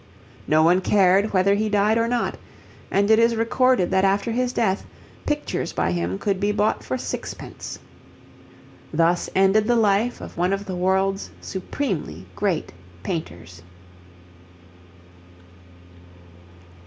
No one cared whether he died or not, and it is recorded that after his death pictures by him could be bought for sixpence. Thus ended the life of one of the world's supremely great painters.